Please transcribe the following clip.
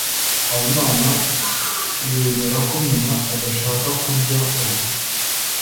habimana yemera ko nyina adashaka kurya ubu